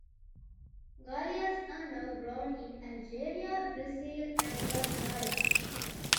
Galias are now grown in Algeria, Brazil, Guatemala.